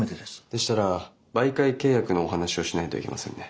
でしたら媒介契約のお話をしないといけませんね。